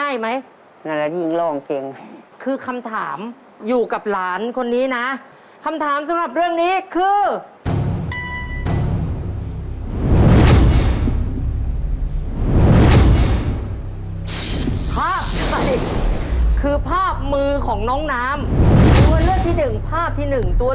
จริงนะหลานคนแรกน่ะเนอะ